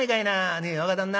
ねえ若旦那